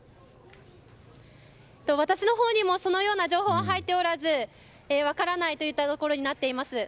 私のほうにもそのような情報は入っておらず分からないといったところになっています。